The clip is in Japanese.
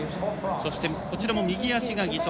そしてこちらも右足が義足。